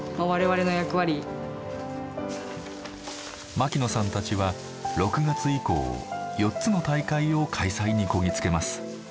牧野さんたちは６月以降４つの大会を開催にこぎつけます。